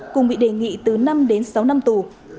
cùng bị đề nghị từ năm đến sáu năm tù